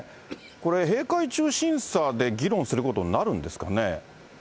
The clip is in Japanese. これ、閉会中審査で議論することになるんですかね。